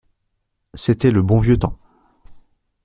C'était le bon vieux temps!